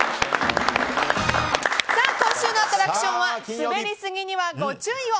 今週のアトラクションは滑りすぎにはご注意を！